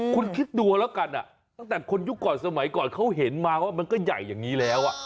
คุณคิดดูแล้วกันตั้งแต่คนยุคก่อนสมัยก่อนเขาเห็นมาว่ามันก็ใหญ่อย่างนี้แล้ว